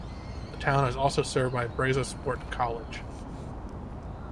The town is also served by Brazosport College.